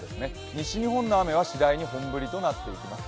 西日本の雨は次第に本降りとなっていきます。